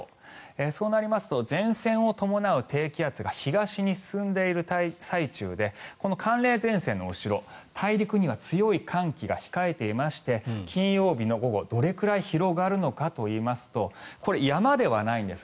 そうなりますと前線を伴う低気圧が東に進んでいる最中でこの寒冷前線の後ろ、大陸には強い寒気が控えていまして金曜日の午後どれくらい広がるのかといいますとこれ、山ではないんです。